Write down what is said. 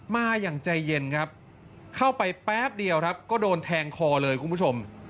มาอย่างใจเย็นครับเข้าไปแป๊บเดียวครับก็โดนแทงคอเลยคุณผู้ชม